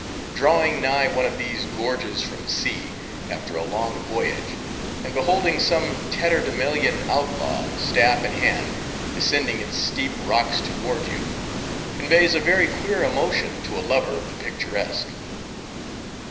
Drawing nigh one of these gorges from sea, after a long voyage, and beholding some tatterdemalion outlaw, staff in hand, descending its steep rocks toward you, conveys a very queer emotion to a lover of the picturesque.